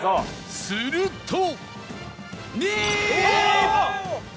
すると